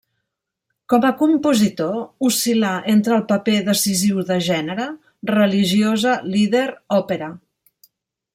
Com a compositor oscil·là entre el paper decisiu de gènere, religiosa, lieder, òpera.